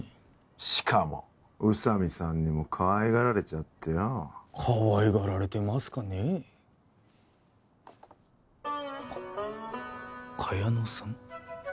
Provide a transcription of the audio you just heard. しかも宇佐美さんにもかわいがられちゃってよかわいがられてますかねえかッ茅野さん？